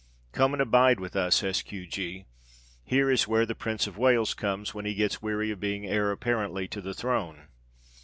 Come and abide with us, S. Q. G. Here is where the prince of Wales comes when he gets weary of being heir apparently to the throne.